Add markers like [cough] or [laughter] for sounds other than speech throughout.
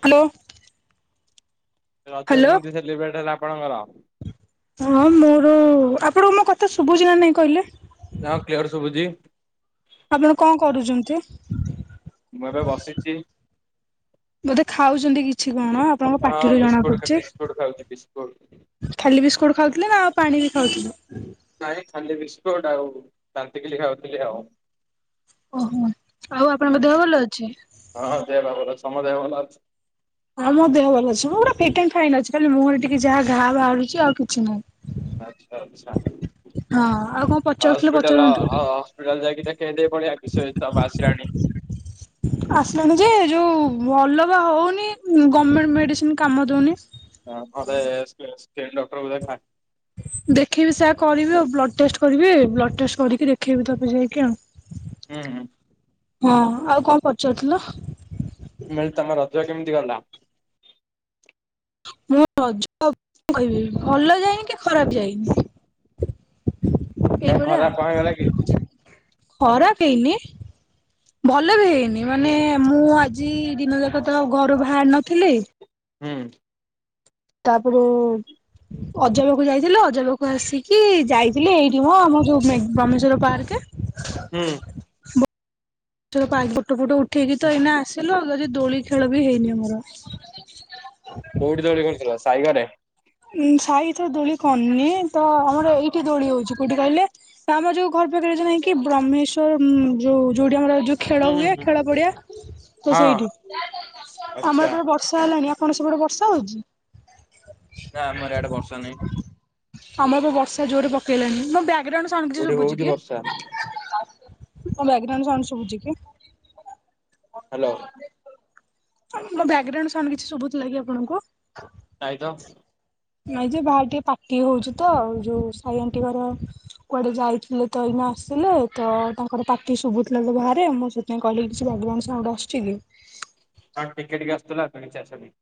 Hello. Raja କେମିତି celebrate ହେଲା। ପଣଙ୍କର। ହଁ ମୋର ଆପଣଙ୍କୁ ମୋ କଥା ଶୁଭୁଛି ନା ନାଇଁ କହିଲେ। ହଁ କ୍ଲିୟର ଶୁଭୁଛି। ଆପଣ କଣ କରୁଛନ୍ତି। ମୁଁ ଏବେ ବସିଛି। ବୋଧେ ଖାଉଛନ୍ତି କିଛି। କଣ ଆପଣଙ୍କ ହଁ ପାଟିରୁ ଜଣା ବିସ୍କୁଟ ପଡୁଛି। ବିସ୍କୁଟ ଖାଉଛି ବିସ୍କୁଟ। ଖାଲି ବିସ୍କୁଟ ଖାଉଥିଲେ ନା ଆଉ ପାଣି ବି ଖାଉଥିଲେ। ନାଇଁ। ଖାଲି ବିସ୍କୁଟ ଆଉ ବାନ୍ତିକିଲି ଖାଉଥିଲି ଆଉ। ଓହୋ ଆଉ ହୁଁ ଆପଣଙ୍କ ଦେହ ଭଲ ଅଛି। ହଁ ଦେହ ପା ଭଲ ଅଛି ତମ ଦେହ ଭଲ ଅଛି। ହଁ ମୋ ଦେହ ଭଲ ଅଛି ମୁଁ ଗୋଟେ ଫିଟ ଫାଇନ୍ ଅଛି। ଖାଲି ମୁଁହଁରେ ଟିକେ ଯାହା ଘା ବାହାରୁଛି ଆଉ କିଛି ନୁହଁ। ଆଛା ଆଛା ହଁ ଆଉ କଣ ପଚାରୁଥିଲେ ହସ୍ପିଟାଲ ପଚାରନ୍ତୁ? ହସ୍ପିଟାଲ ଯାଇକି କେଦେ ପ ଆ କିଷ ତା ବାସିଲାଣି [inaudible] ଆସିଲାଣି ଯେ ଯୋଉ ଭଲ ବା ହଉନି ଗମେଣ୍ଟ ମେଡିସିନ କାମ ଦଉନି। ନହେଲେ ସି ସିକିଇନ ଡକ୍ଟରକୁ ଦେଖା। [inaudible] ଦେଖେଇବି ସେ କରିବି ଆଉ ବ୍ଲଡ ଟେଷ୍ଟ କରିବି। ବ୍ଲଡ଼ ଟେଷ୍ଟ କରିକି ଦେଖେଇବି ତତେ ଯାଇକି ଆଉ। ହୁଁ ହୁଁ। ହଁ ଆଉ କଣ ପଚାରୁଥିଲ। ମି ତମର ରଜ କେମିତି ଗଲା। [inaudible] ମୁଁ ରଜ କହିବ ଭଲ ଯାଇନି କି ଖରାପ ଯାଇନି। [inaudible] କାହିଁ ଏଇଭଳିଆ ଖରାପ ଆଉ କଣ ହେଲାକି ଖରାପ ହେଇନି ଭଲ ବି ହେଇ ମାନେ ହୁଁ ମୁଁ ଆଜ ଆଜି ଦିନ ଯାକତ ଆ ଘରୁ ବାହାରି ନଥିଲି। ହୁଁ। ତାପରେ ଅଜା ପାଖକୁ ଯାଇଥିଲି ଅଜା ପାଖକୁ ଆସିକି ଯାଇଥିଲି ଏଇଠି ହ ଆମ ଯୋଉ ବାେଶ୍ଵର ପାର୍କ। ହୁଁ ଏଥର ପା ଫଟ ଫଟ ଉଠ ଠିକି ତ ଏଇନା ଆସିଲ ଦୋଳି ଖେଳ ବି ହେଇନି ଆମର କଉଠି ଦୋଳି ଖେଳୁଥିଲ ସାଇଘରେ। ଉ ସାହିଥର ଦୋଳି କନନି ତ ଆମର ଏଇଠି ଦୋଳି ହଉଛି କୋଉଠି କହିଲେ। ଆମର ଯୋଉ ଘର ପାଖରେ ଯ ନାଇକି ବ୍ରହ୍ମେଶ୍ଵର ଯୋଉ ଯୋଉଠି ଆମର ଯୋଉ ଖେଳ ହୁଁ ହୁଁ ହୁଏ ହୁଁ। ଖେଳ ପଡିଆ ତ ହଁ ସେଇଠି [unintelligible] ଆମର ଆଚ୍ଛା। ଏପଟେ ବର୍ଷା ହେଲାଣି କଣ ସେପଟେ ବର୍ଷା ହଉଛି। ନାଁ ଆମର ଏଆଡେ ବର୍ଷ ନାଇ। ଆମର ଏଆଡେ ବର୍ଷା ଜୋରେ ପକେଇଲେଣି ମୋ ବ୳୲ଗ ଏଇଟା କଣ ସାଉଣ୍ଡ କୋଉଠି ଶୁଭୁଛି ହଉଛି କି? ବର୍ଷା ବ୍ୟାଗ୍ରାଉଣ୍ଡ ଶୁଭୁଛି କି? [inaudible] ହାଲୋ ମୋ ବ୍ୟାଗ୍ରାଉଣ୍ଡ ସାଉଣ୍ଡ କିଛି ସୁବୁଥିଲାକି ଆପଣଙ୍କୁ। ନାଇ ତ ଆାଇ ଯେ ବାହ ଟିକେ ପାାର୍ଟି ହଉଛି। ତ ଆଉ ଯୋଉ ସାଇ ଆଣ୍ଟି ଘର କୁଆଡେ ଯାଇଥିଲେ ତ ଏଇନା ଆସିଲେ। ତ ତାଙ୍କର ପାାର୍ଟି ଶୁଭୁଥିଲା ବାହାରେ ମୁଁ ସେଥିପାଇଁ କହିଲି କିଛି ବ୍ୟାଗ୍ରାଉଣ୍ଡ ସାଉଣ୍ଡ ଆସୁଚିକି। ହଁ ଟିକେ ଟିକେ ଆସୁଥିଲା ତ ଚାଷ ବି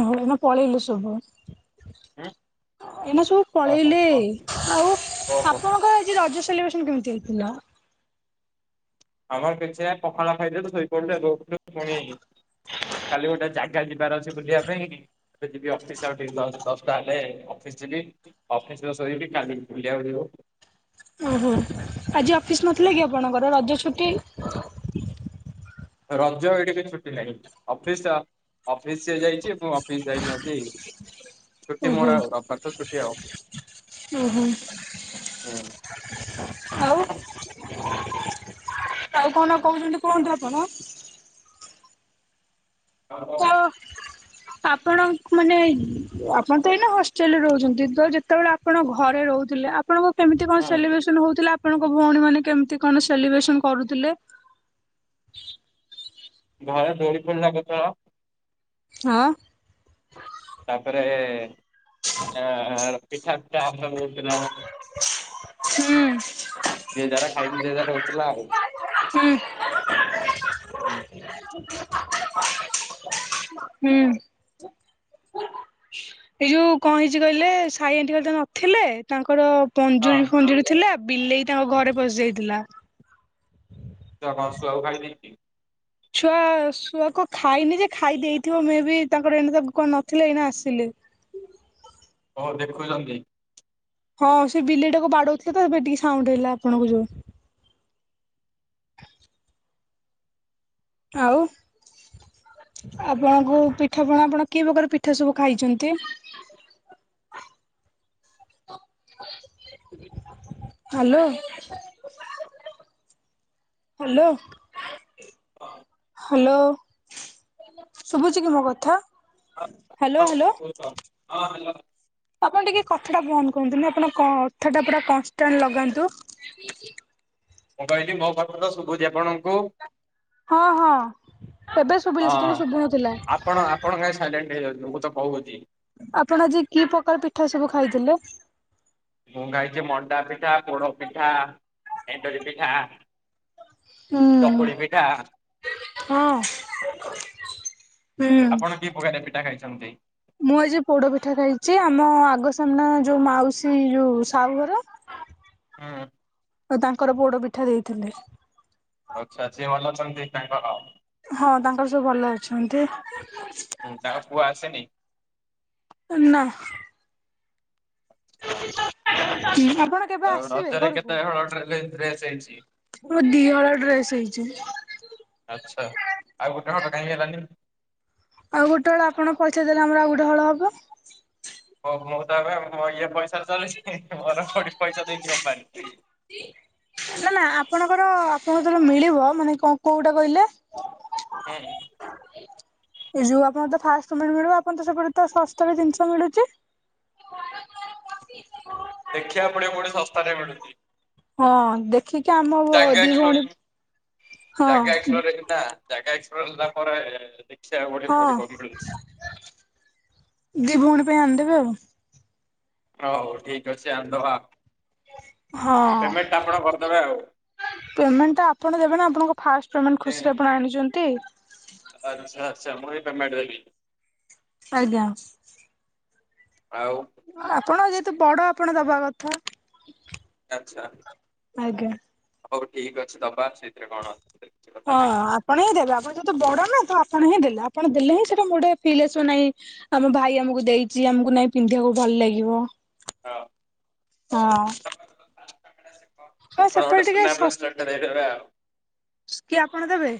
ହ ଏବେ ପଳେଇଲୁ ଶଭୁ। ଉଁ ଏଇନା ସବୁ ଓହୋ ପଳେଇଲେ ଓ ଆଉ ଓହୋ ଆପଣଙ୍କ ଏ ରଜ [unintelligible] କେମତି ହେଇଥିଲ। ଆମର କିଛି ପଖାଳ ଖାଇଦେଲେ ଶୋଇପଡିଲେ। ପୁଣି କାଲି ଗୋଟେ ଜାଗା ଯିବାର ଅଛି। ବୁଲିବା ପାଇଁ ଯିବି ଅଫିସ ଆଉିକ ଦଶଟା ହେଲେ ଅଫିସ ଯିବି ଅଫିସ ଶୋଇବି କାଲି ବୁଲିବାକୁ ଯିବୁ। ଓହୋ ଆଜି ଅଫିସ ନଥିଲା କି ଆପଣଙ୍କର ରଜ ଛୁ ଟୀ ରଜ ଏଇଠି ବି ଛୁଟି ନାହିଁ ଅଫିସ ଅଫିସ ସିଏ ଯାଇଛି ମୁଁ ଅଫିସ ଯାଇନି ଆଜି ଛୁଟି ଓହୋ ମୋର ଆଉ ରବିବାର ତ ଛୁଟି ଆଉ ଓହୋ। ଆଉ ହଁ ଆଉ କଣ କହୁଛନ୍ତି କୁହନ୍ତୁ ଆପଣ ହ ତ ଆପଣ ମାନେ ଆପଣ ତ ଏଇନା ହଷ୍ଟେଲରେ ରହୁଛନ୍ତି ତ ଯେତେବେଳେ ଆପଣ ଘରେ ରହୁଥିଲେ ଆପ୍ ଆପଣଙ୍କୁ କେମିତି କଣ ହୁଁ ସେଲିବ୍ରେସନ ହୋଉଥିଲା? ଆପଣଙ୍କ ଭଉଣୀ ମାନେ କେମିତି କଣ ସେଲିବ୍ରେସନ କରୁଥିଲେ? ଘରେ ଦୋଳି ଫୋଳି ଲାଗିଥିବ ହଁ ତାପରେ ଆ ପିଠା ଚା [unintelligible] ହୁଁ ଯେ ଯାର ଖାଇକି ଯେ ଯାର ରହୁଥିଲା ଆଉ। ହୁଁ ହୁଁ [inaudible] ହୁଁ, ଏଇ ଯୋଉ କଣ ହେଇଛି କହିଲେ ସାଇ ଆଣ୍ଟୀ କାଲି ତ ନଥିଲେ ତାଙ୍କର ହଁ ପଞ୍ଜୁରୀ ଫଞ୍ଜୁରୀ ଥିଲା ବିଲେଇ ତାଙ୍କ ଘରେ ପଶି ଯାଇଥିଲା କଣ ଶୁଆକୁ ଖାଇଦେଇଛି। ଛୁଆ ଛୁଆ କ ଖାଇନି ଯେ ଖାଇ ଦେଇଥିବ ମେ ବି ତାଙ୍କର ଏଣ ତା କଣ ନଥିଲେ ଏଇନା ଆସିଲେ। ହଁ ଦେଖୁଛନ୍ତି। ହଁ ସେ ବିଲେଇଟାକୁ ବାଡଉଥିଲା ତ ଏବେ ଟିକେ ସାଉଣ୍ଡ ହେଇଲା ଆପଣଙ୍କୁ ଯୋଉ ଆଉ ଆପଣଙ୍କୁ ପିଠାପଣା ଆପଣ କି ପ୍ରକାର ପିଠା ସବୁ ଖାଇଛନ୍ତି? ହ୍ୟାଲୋ ହ୍ୟାଲୋ ହ ହ୍ୟାଲୋ ଶୁଭୁଛି କି ମୋ କଥା? ହ୍ୟାଲୋ ହ୍ୟାଲୋ ହଁ ହଲୋ। ଆପଣ ଟିକେ କଥା ଟା ଫନ୍ଦ କରନ୍ତୁନି ଆପଣ କଥା ଟା ପୁରା କନଷ୍ଟାଣ୍ଟ ଲଗାନ୍ତୁ ମୁଁ କହିଲି ମୋ କଥା ତ ଶୁଭୁଚି ଆପଣଙ୍କୁ? ହଁ ହଁ ଏବେ ହଁ ଶୁଭିଲେ ସେତେବେଳେ ଶୁଭୁନଥିଲା। ହଉଛିି। ଆପଣ ଆଜି କି ପ୍ରକାର ପିଠା ସବୁ ଖାଇଥିଲେ? ମୁ ଖାଇଥିଲି ମଣ୍ଡା ପିଠା ପୋଡ ପିଠା ଏଣ୍ଡରି ପିଠା। ହୁଁ। ଚକୁଳି ପିଠା। ହଁ ହୁଁ। ଆପଣ କି ପ୍ରକାର ପିଠା ଖାଇଛନ୍ତି? ଚନ୍ତ ମୁଁ ଆଜି ପୋଡ ପିଠା ଖାଇଛି ଆମ ଆଗ ସାମ୍ନା ଯୋଉ ମାଉସୀ ଯୋଉ ସାହୁ ଘର ହଁ ଆଉ ତାଙ୍କର ପୋଡ ପିଠା ଦେଇଥିଲେ। ଆଚ୍ଛା ସିଏ ଭଲ ଅଛନ୍ତି ତାଙ୍କର? ହଁ ତାଙ୍କର ସବୁ ଭଲ ଅଛନ୍ତି। ଉଁ, ତାଙ୍କ ପୁଅ ଆସେନି। ଏ ନା। [inaudible] ହୁଁ ଆପ ଆଉ ରଜରେ କେତେ ହଳ ଡ୍ରେସ୍ ହେଇ ଡ୍ରେସ୍ ହେଇଛି? ମୋ ଦି ହଳ ଡ୍ରେସ ହେଇଛି ଆଚ୍ଛା ଆଉ ଗୋଟେ ହଳ କାହିଁକି ହେଲାନି? ଆଉ ଗୋଟେ ହଳ ଆପଣ ପଇସା ଦେଲେ ଆମର ଆଉ ଗୋଟେ ହଳ ହବ। ତାପରେ ଆମ ମୁଁ ଇଏ ପଇସାରେ ଚାଲିଛି ମୋର କୋଉଠି ପଇସା ଦେଇଛି କମ୍ପାନୀ। ନା ନା ଆପଣଙ୍କର ଆପ ମୋର ଯେବେ ମିଳିବ ମାନେ କଣ କୋଉଟା କହିଲେ ଏଁ, ଏ ଯୋଉ ଆପଣ ତ ଫାଷ୍ଟ ପେମେଣ୍ଟ ମିଳବ ଆପଣ ତ ସେପଟେ ତ ସସ୍ତାରେ ଜିନିଷ ମିଳୁଚି ଦେଖିବାକୁ ପଡିବ କୋଉଠି ଶସ୍ତା ରେ ମିଳୁଚି। ହଁ ଦେଖିକି ଆମ ଜାଗା ବ-ଦି ଭଉଣୀ ଏକ୍ସପ୍ଲୋର ହଁ ଜାଗା ଏକ୍ସ ମୁଁ ଦେଖିନା ଜାଗା ଏକ୍ସ ହଉ ତାପରେ ଦେ ହଁ ଦି ଭଉଣୀ ପାଇଁ ଆଣିଦେବେ ଆଉ। ହଉ ଠିକ ଅଛି ଆଣଦବା। ହଁ କରିଦେବେ ଆଉ। ପେମେଣ୍ଟ ଟା ଆପଣ ଦେବେ ନା ଆପଣଙ୍କ ଫାଷ୍ଟ ପେମେଣ୍ଟ ଖୁସିରେ ଆପଣ ଆଣିଚନ୍ ତି ଆଚ୍ଛା ଆଚ୍ଛା ମୁଁ ହିଁ ପେମେଣ୍ଟ ଦେଇକି ଆଜ୍ଞା। ଆଉ ଆପଣ ଯେହେତୁ ବଡ ଆପଣ ଦବା କଥା। ଆଚ୍ଛା। ଆଜ୍ଞା। ହଉ ଠିକ୍ ଅଛି ଦବା ସେଇଥିରେ କଣ? ସେଥିରେ କିଛି କଥା ହଁ ନାହିଁ ଆପଣ ହିଁ ଦେବେ, ଆପଣ ଯେହେତୁ ବଡ ନା ତ ଆପ୍ ଆପଣ ହିଁ ଦେଲେ, ଆପଣ ଦେଲେ ହିଁ ସେଟା ମୁଟେ ଫିଲ୍ ଆସିବ ନାଇଁ ଆମ ଭାଇ ଆମକୁ ଦେଇଚି, ଆମକୁ ନାଇଁ ପିନ୍ଧିବାକୁ ଭଲ ଲାଗିବ। ହଁ। ହଁ। ହଁ ଗୋଟେ ସେପଟେ ଟିକେ ସୁନା ସସ, ବ୍ରେସଲେଟ ଟେ ଦେଇଦେବେ ଆଉ। କିଏ ଆପଣ ଦେବେ?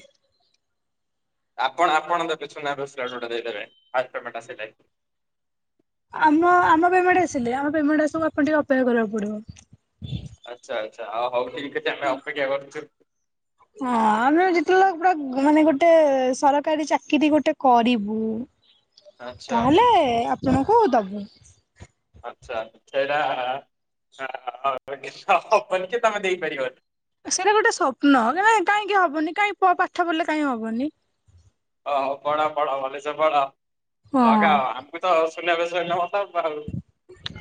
ଆପଣ ଆପଣ ଦେବେ ସୁନା ବେସଲେଟ୍ ଗୋଟେ ଦେଇଦେବେ ଫାଷ୍ଟ ପେମେଣ୍ଟ ଆସିଲେ। ଆମ ଆମ ପେମେଣ୍ଟ ଆସିଲେ ଆମ ପେମେଣ୍ଟ ଆସୁ ଆପଣ ଟିକେ ଅପେକ୍ଷା କରିବାକୁ ପଡିବ। ଆଚ୍ଛା ଆଚ୍ଛା ଆଉ ହଉ। ଠିକ ଅଛି ଆମେ ଅପେକ୍ଷା କରୁଛୁ। ହଁ ଆମେ ଜିତିଲା ପୁରା ମାନେ ଗୋଟେ ସରକାରୀ ଚାକିରି ଗୋଟେ କରିବୁ। ଆଚ୍ଛା ତାହେଲେ ଆପଣଙ୍କୁ ଦ ହୁଁ। ଆଚ୍ଛା ସେଇଟା ଆଉ କିଛି ହବନି କି ତମେ ଦେଇପାରିବନି। ସେଇଟା ଗୋଟେ ସ୍ୱପ୍ନ କ କାହିଁକି ହବନି। କାଇଁ ପାଠ ପଢିଲେ କାହିଁ ହବନି। ଓ ହଉ ପଢ ପଢ ଭଲେସେ ପଢ। ହଁ। ଲଗାଅ ଆମକୁ ତ [unintelligible]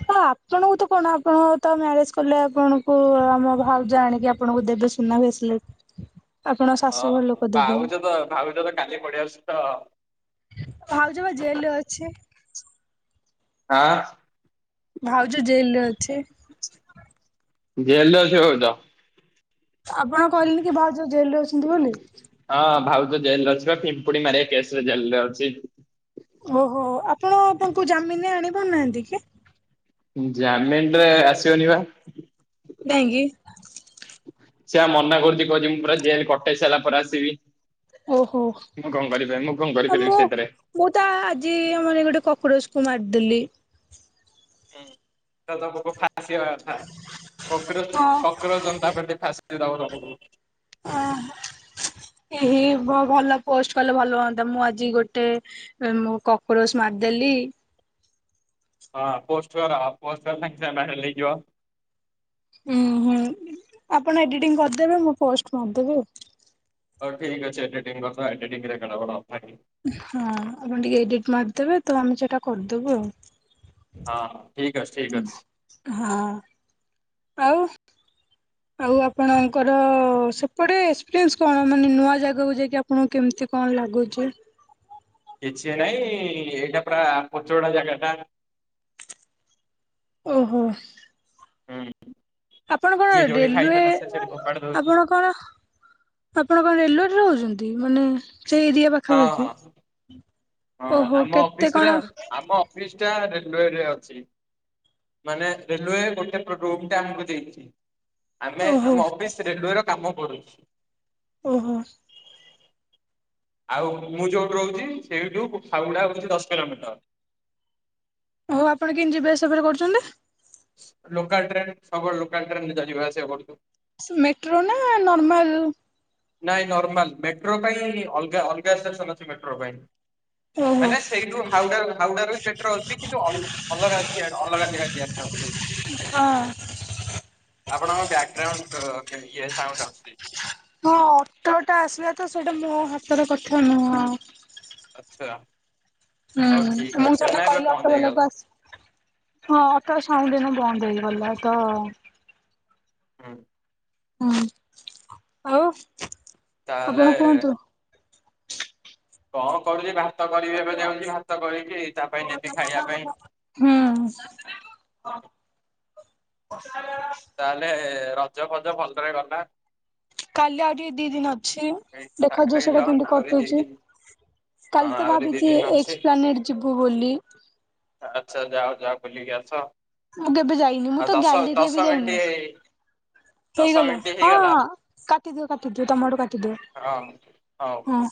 ହଁ ଆପଣଙ୍କୁ ତ କଣ ଆପଣ ତ ମ୍ୟାରେଜ୍ କଲେ ଆପଣଙ୍କୁ ଆମ ଭାଉଜ ଆଣିକି ଆପଣଙ୍କୁ ଦେବେ ସୁନା ଭେସେଲେଟ୍। ଆପଣ ହଁ ଶାଶୁଘର ଲୋକ ଦେବେ। ଭାଉଜ ତ ଭାଉଜ ତ କାଲି ପଳେଇ ଆସୁଛି ତ ଭାଉଜ ବା ଜେଲ୍ ରେ ଅଛି। ହାଁ। ଭାଉଜ ଜେଲ୍ ରେ ଅଛି। ଜେଲ୍ ରେ ଅଛି। ହୋଉ ଯାଉ। ଆପଣ କହିଲେନି କି ଭାଉଜ ଜେଲ୍ ରେ ଅଛନ୍ତି ବୋଲି। ହଁ ଭାଉଜ ଜେଲ୍ ରେ ଅଛିିବା। ପିମ୍ପୁଡି ମାରିବା କେସ୍ ରେ ଜେଲ୍ ରେ ଅଛି। ଓହୋ ଆପଣ ତାଙ୍କୁ ଜାମିନ୍ ରେ ଆଣି ପାରୁନାହାଁନ୍ତି କି? ଜାମେନ୍ ରେ ଆସିବନି ବା। କାହିଁକି? ସେଆ ମନା କରୁଛି। କହୁଛି ମୁଁ ପୁରା ଜେଲେ କଟେଇ ସାରିଲା ପରେ ଆସିବି। ଓହୋ ମୁଁ କଣ କରିପାରିବି ମୁଁ କଣ ଆ କରିପାରିବି ମୁଁ ସେଇଥିରେ। ମୁଁ ତ ଆଜି ମାନ ଗୋଟେ କକରୋଜ୍ କି ମାରିଦେଲି। ହୁଁ ଥାଉ ଥାଉ ପୋକ ଫା। ଫାସିବା କଥା କୋକ୍ରୋଜ ହଁ କୋକ୍ରୋଜ ଜନତା ପାଟି ଫାସ ରାହୁ ରାହୁଲୁ। ଓହୋ ଏହି ଭଲ ପୋଷ୍ଟ କଲେ ଭଲ ହୁଅଁନ୍ତା। ମୁଁ ଆଜି ଗୋଟେ ଉଁ କକ୍ରୋଚ ମାରିଦେଲି। ହଁ ପୋଷ୍ଟ କର। ପୋଷ୍ଟ କଲେ [unintelligible] ଉଁ ହୁଁ ଆପଣ ଏଡିଟିଂ କରିଦେବେ ମୁଁ ପୋଷ୍ଟ ମାରିଦେବି ଆଉ। ଠିକ ଅଛି ଏଡିଟିଂ କଥା। ଏଡିଟିଂରେ [unintelligible] ହଁ ଆପଣ ଟିକେ ଏଡିଟ୍ ମାରିଦେବେ ତ ଆମେ ସେଟା କରିଦବୁ ଆଉ। ହଁ ଠିକ୍ ହଁ। ଆଉ। ଆଉ ଆପଣ କର ସେପଟେ ଫିଲ୍ସ କଣ? ମାନେ ନୂଆ ଜାଗାକୁ ଯାଇକି ଆପଣଙ୍କୁ କେମତି କଣ ଲାଗୁଛି। କିଛି ନାଇଁ। ଏ ଏଇଟା ପରା ଚୋଉଡା ଜାଗଟା। ଓହୋ। ହୁଁ। ଆପଣ କଣ ଯିଏ ଯୋଉଠି ରେଲୁୱେ ଖାଇଥାନ୍ତା ସେ ସେଠି ଫୋପାଡି ଦଉଛି। ଆପଣ କଣ ଆପଣ କଣ ରେଲୁୱେ ରେ ରହୁଛନ୍ତି। ତି ମାନେ ସେଇ ଏରିଆ ହଁ ପାଖାପାଖି? ହଁ ହଁ ଓହୋ ଆମ କେତେ ଅଫିସ୍ କଣ ରା ଆମ ଅଫିସ୍ ଟା ରେ ଲୁଏ ରେ ଅଛି ।ମାନେ ରେଲୁ୍ୱେ ଗୋଟେ ରୁମ୍ ଟେ ଆମକୁ ଦେଇଚି। ଆମେ ଓହୋ ଆମ ଅଫିସ୍ ରେଲୁୱର କାମ କରୁଛୁ। ଓହୋ। ଆଉ ମୁଁ ଯୋଉଠୁ ରହୁଚି ସେଇଠୁ ଖାଉଡା ହଉଛି ଦଶ କିଲୋମିଟର। ଓଉ ଆପଣ କେମିତି ଯିବା ଆସିବା ଫେରେ କରୁଚନ୍ତି ନା? ଲୋକାଲ ଟ୍ରେନ୍ ସବ ଲୋକଲ ଟ୍ରେନ୍ ରେ ଯିବା ଆସିବା କରୁଛୁ। ମେଟ୍ରୋ ନା ନର୍ମାଲ୍? ନାଇଁ ନର୍ମାଲ ମେଟ୍ରୋ ପାଇଁ ଅଲଗା ଅଲଗା ସେସନ ଅଛି ମେଟ୍ରୋ ପାଇଁ। ଓହୋ ମାନେ ସେଇଠୁ ହାଉଡା ହାଉଡା ରୁ ବି ପେଟ୍ରୋ ଅଛି। କିନ୍ତୁ ଅଲ-ଅଲଗା ସିଆଡେ ଅଲଗା ଜାଗା ଯିବା ପାଇଁ ଅଛି। ହଁ ଆପଣଙ୍କ ବ୍ୟାଗ୍ ଗାଉଣ୍ଡ୍ ଇଏ ସାଉଣ୍ଡୁ ଆସୁଚି। ହଁ ଅଟୋ ଟା ଆସିବା ତ ସେଇଟା ମୋ ହାତର କଥା ନୁହଁ। ଆଚ୍ଛା। ହଉ ଠିକ ହୁଁଁ ମୁଁ ଅଛି ସେଟେ ନାଇଁ ଏବେ କହିଲି ବନ୍ଦ ଅଟୋ ବାଲାକୁ ହେଇଗଲା। ଆସ। ହଁ ଅଟୋ ସାଉଣ୍ଡ ଦିନ ବନ୍ଦ ହେଇଗଲା ତ। ହୁଁ। ହୁଁ ଆଉ ଆପଣ ତାହଲେ କୁହନ୍ତୁ କଣ କରୁଚି ବା। ପାଇଁ ନେବି ଖାଇବା ପାଇଁ। ହୁଁ। ତାହେଲେ ରଜ ଫଜ ଭଲରେ ଗଲା। କାଲି ଆଉ ଟିକେ ଦି ଦିନ ଅ ଛି ପିଠା ଦେଖାଯାଉ ସେଟା ଖାଇଲ କେମତି ଆହୁରି ଦି କଟୁଚି। ଦିନ ହଁ କାଲି ତ ଆହୁରି ଦି ଭାବିଛି ଦିନ ଅଛି। ଏକ୍ସ ପ୍ଲାନେଟ୍ ଯିବୁ ବୋଲି। ଆଚ୍ଛା ଯାଅ ଯାଅ ବୁଲିକି ଆସ। ମୁଁ କେବେ ଯାଇନି ମୁଁ ଆଉ ତ ଦଶ ଗ୍ୟାଲିରିଆ ବି ଦଶ ମିନିଟ ଯାଇନି। ଦଶ ହେଇଗଲା ମିନିଟ ହେଇଗଲା ହଁ କାଟିଦିଅ କାଟିଦିଅ। ତମ ଆଡୁ କା ହଁ ହଉ ।